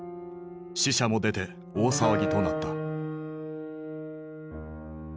死者も出て大騒ぎとなった。